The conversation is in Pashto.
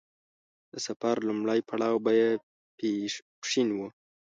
د سفر لومړی پړاو به يې پښين و.